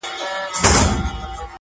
هغه د سر پر زنگانه و فلسفې ته ژاړي,